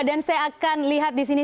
dan saya akan lihat di sini